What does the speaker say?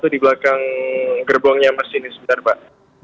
di belakang gerbongnya mas ini sebentar pak